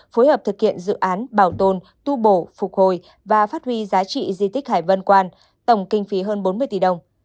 phối hợp thực hiện dự án bảo tồn tu bổ phục hồi và phát huy giá trị di tích hải vân quan tổng kinh phí hơn bốn mươi tỷ đồng